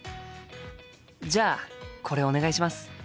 じゃあこれお願いします。